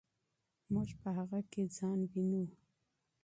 موږ په هغه کې ځان وینو.